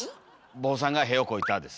「坊さんが屁をこいた」です。